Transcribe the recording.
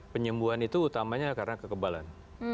penyembuhan itu utamanya karena kekebalan